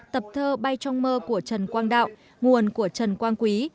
tập thơ bay trong mơ của trần quang đạo nguồn của trần quang quý